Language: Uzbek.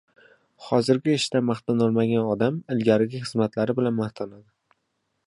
Hozirgi ishidan maqtanolmagan odam ilgarigi xizmatlari bilan maqtanadi.